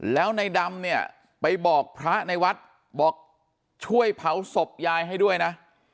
แล้วในดำเนี่ยไปบอกพระในวัดบอกช่วยเผาศพยายให้ด้วยนะ